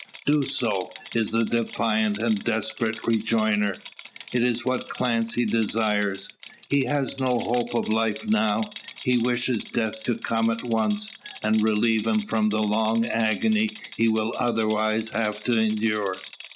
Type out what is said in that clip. "Do so!" is the defiant and desperate rejoinder. It is what Clancy desires. He has no hope of life now. He wishes death to come at once, and relieve him from the long agony he will otherwise have to endure.